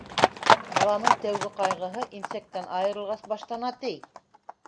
- Баланың тәүге ҡайғыһы имсәктән айырылғас баштана, ти.